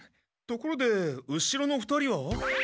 ところで後ろの２人は？